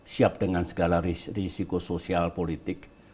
siap dengan segala risiko sosial politik